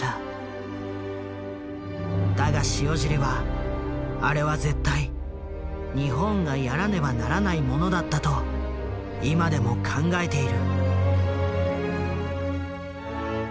だが塩尻はあれは絶対日本がやらねばならないものだったと今でも考えている。